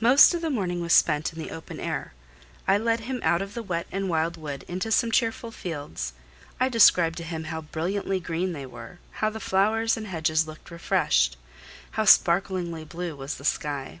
Most of the morning was spent in the open air. I led him out of the wet and wild wood into some cheerful fields: I described to him how brilliantly green they were; how the flowers and hedges looked refreshed; how sparklingly blue was the sky.